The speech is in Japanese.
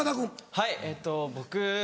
はいえっと僕。